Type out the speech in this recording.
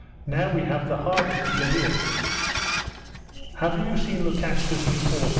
'Now we have the harvest to get in.' 'Have you seen Lukashka's new horse?'